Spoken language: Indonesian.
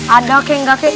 ada kek gak kek